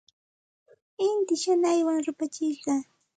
Inti shanaywan rupachishqa.